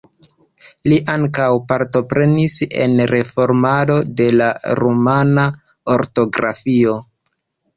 Li ankaŭ partoprenis en reformado de la rumana ortografio.